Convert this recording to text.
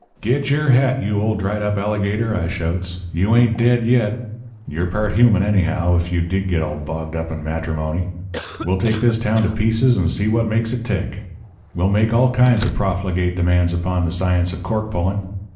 "'Get your hat, you old dried up alligator,' I shouts, 'you ain't dead yet. You're part human, anyhow, if you did get all bogged up in matrimony. We'll take this town to pieces and see what makes it tick. We'll make all kinds of profligate demands upon the science of cork pulling.